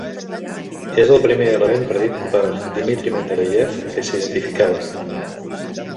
Era el primer element predit per Dmitri Mendeléiev que s'identificava.